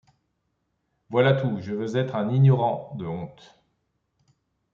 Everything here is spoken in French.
Voilà tout. Je veux être un ignorant de honte.